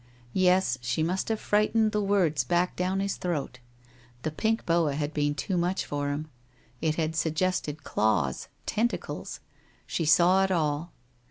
Yes, she must have frightened the words back down his throat. The pink boa had been too much for him. It had suggested claws, tentacles. She saw it all.